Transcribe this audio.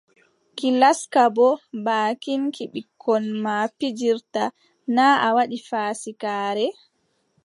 Ki laska boo baakin ki ɓikkon ma pijirta, na a waɗi faasikaare.